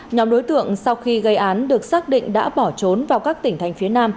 nhóm đối tượng sau khi gây án được xác định đã bỏ trốn vào các tỉnh thành phía nam